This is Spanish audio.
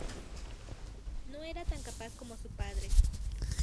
No era tan capaz como su padre.